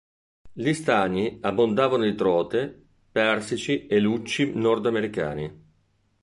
Gli stagni abbondavano di trote, persici e lucci nordamericani.